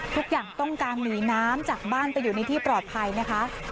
ทุกอย่างต้องการหนีน้ำจากบ้านไปอยู่ในที่ปลอดภัยนะคะ